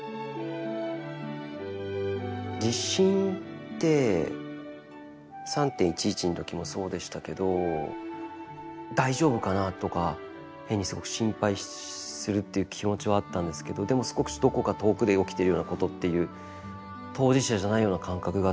地震って３．１１の時もそうでしたけど「大丈夫かな？」とか変にすごく心配するっていう気持ちはあったんですけどでも少しどこか遠くで起きているようなことっていう当事者じゃないような感覚があって。